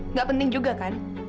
nggak penting juga kan